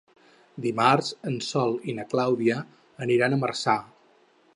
Dimarts en Sol i na Clàudia aniran a Marçà.